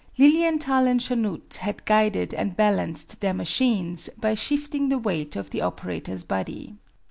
Lilienthal and Chanute had guided and balanced their machines, by shifting the weight of the operator's body.